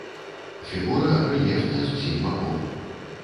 Фігура рэльефная з усіх бакоў.